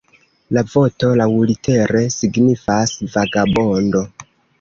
La voto laŭlitere signifas "vagabondo".